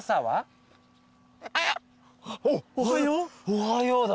「おはよ」だ。